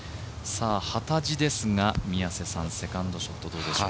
幡地ですが、セカンドショットどうでしょう。